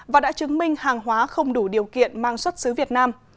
và đã chứng minh hàng hóa không đủ điều kiện mang xuất xứ việt nam